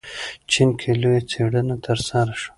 چین کې لویه څېړنه ترسره شوه.